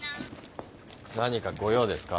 何かご用ですか？